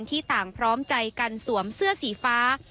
ที่ต่างพร้อมใจกันสวมเสื้อสีฟ้า